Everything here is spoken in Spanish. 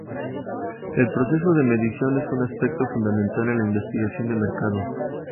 El proceso de medición es un aspecto fundamental en la investigación de mercados.